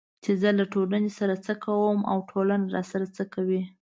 چې زه له ټولنې سره څه کوم او ټولنه راسره څه کوي